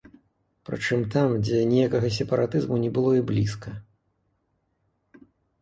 Прычым там, дзе ніякага сепаратызму не было і блізка.